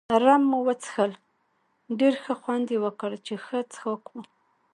رم مو وڅښل، ډېر ښه خوند يې وکړ، چې ښه څښاک وو.